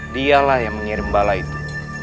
dialah yang mengirim balai itu